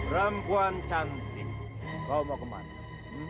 perempuan cantik kau mau kemana